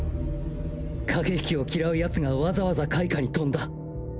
駆け引きを嫌う奴がわざわざ階下に飛んだ。